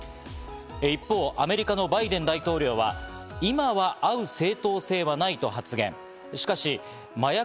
一方、アメリカのバイデン大統領は今は会う正当性はないと発言。